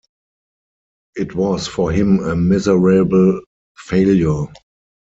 It was for him a miserable failure.